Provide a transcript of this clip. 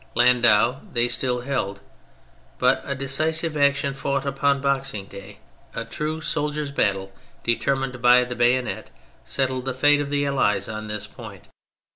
Landau they still held; but a decisive action fought upon Boxing Day, a true soldiers' battle, determined by the bayonet, settled the fate of the Allies on this point.